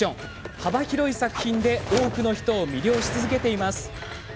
幅広い作品で多くの人を魅了し続けています。